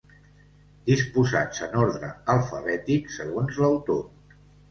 Disposats en ordre alfabètic segons l'autor.